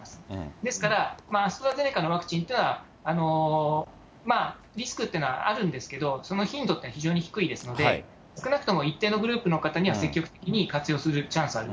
ですから、アストラゼネカのワクチンっていうのは、リスクっていうのはあるんですけど、その頻度って非常に低いですので、少なくとも一定のグループの方には積極的に活用するチャンスはある。